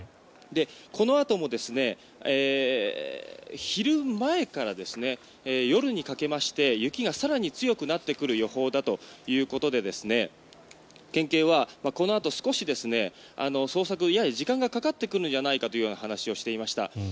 このあとも昼前から夜にかけまして雪が更に強くなってくる予報だということで県警はこのあと少し捜索やや時間がかかってくるのではという話をしていました。